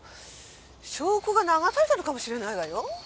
証拠が流されたのかもしれないわよ。